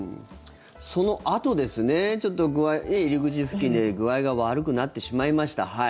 そのあとですねちょっと入り口付近で具合が悪くなってしまいました。